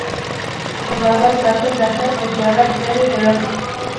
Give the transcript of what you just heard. د باور ساتل د هر تجارت بری دی.